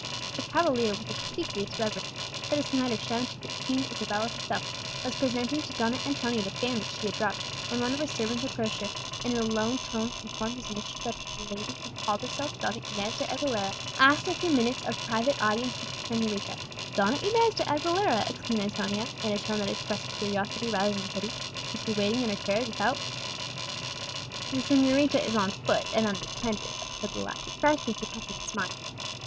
A cavalier, with obsequious reverence, such as he might have shown to Queen Isabella herself, was presenting to Donna Antonia the fan which she had dropped, when one of her servants approached her, and in a low tone informed his mistress that a lady who called herself Donna Inez de Aguilera asked a few minutes of private audience with the señorita. "Donna Inez de Aguilera!" exclaimed Antonia, in a tone that expressed curiosity rather than pity; "is she waiting in her carriage without?" "The señorita is on foot, and unattended," said the lackey, hardly suppressing a smile.